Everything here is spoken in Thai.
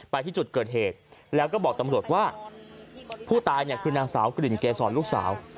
ไปที่จุดเกิดเหตุแล้วก็บอกตำรวจว่าผู้ตายเนี่ยคือนางสาวกลิ่นเกษรลูกสาว